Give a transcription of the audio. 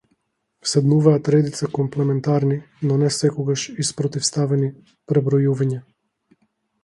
Следуваат редица комплементарни, но некогаш и спротивставени пребројувања.